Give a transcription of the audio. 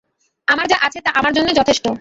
আমার যা আছে তা আমার জন্যে যথেষ্ট।